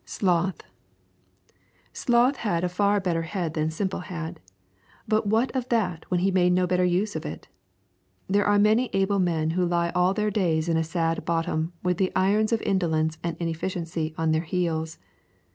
SLOTH Sloth had a far better head than Simple had; but what of that when he made no better use of it? There are many able men who lie all their days in a sad bottom with the irons of indolence and inefficiency on their heels.